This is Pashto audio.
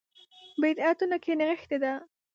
بدعتونو کې نغښې ده.